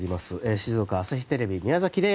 静岡朝日テレビ宮崎玲衣